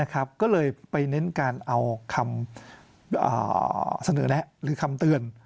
ก็เลยไปเน้นการเอาคำเสนอแนะหรือคำเตือน